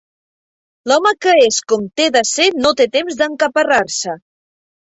L'home que és com té de ser no té temps d'encaparrar-se